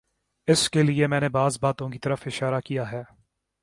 اس کے لیے میں نے بعض باتوں کی طرف اشارہ کیا ہے۔